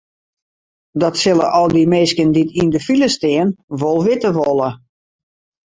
Dat sille al dy minsken dy't yn de file stean wol witte wolle.